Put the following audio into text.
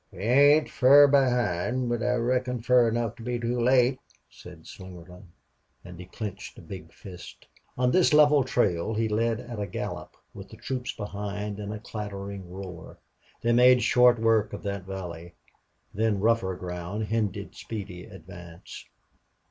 "We ain't fur behind, but I reckon fur enough to be too late," said Slingerland. And he clenched a big fist. On this level trail he led at a gallop, with the troops behind in the clattering roar. They made short work of that valley. Then rougher ground hindered speedy advance.